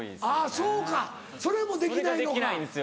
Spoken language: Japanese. そうかそれもできないのか。